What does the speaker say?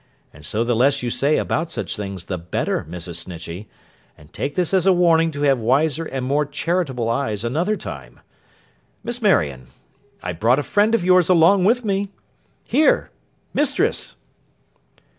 And so the less you say about such things the better, Mrs. Snitchey; and take this as a warning to have wiser and more charitable eyes another time. Miss Marion, I brought a friend of yours along with me. Here! Mistress!